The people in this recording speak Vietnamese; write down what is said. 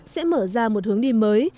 sẽ mở ra một hướng đi mới